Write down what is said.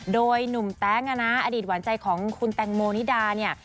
โดยหนุ่มแต๊งอดีตหวานใจของคุณแตงโมนิดาเนี่ย